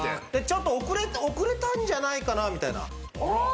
ちょっと遅れたんじゃないかなみたいな。